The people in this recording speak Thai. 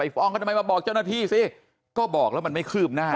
ฟ้องกันทำไมมาบอกเจ้าหน้าที่สิก็บอกแล้วมันไม่คืบหน้า